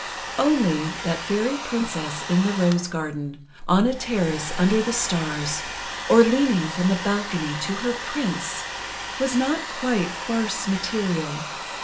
Only, that fairy princess in the rose garden—on a terrace under the stars, or leaning from a balcony to her Prince, was not quite farce material.